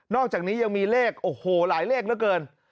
อกจากนี้ยังมีเลขโอ้โหหลายเลขเหลือเกิน